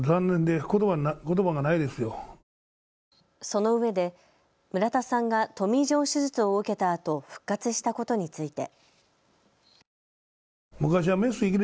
そのうえで村田さんがトミー・ジョン手術を受けたあと復活したことについて。